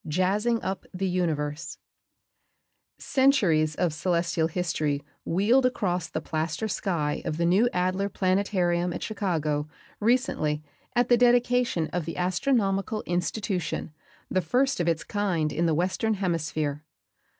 "JAZZING UP THE UNIVERSE" Centuries of celestial history wheeled across the plaster sky of the new Adler planetarium at Chicago, recently, at the dedication of the astronomical institution, the first of its kind in the Western Hemisphere.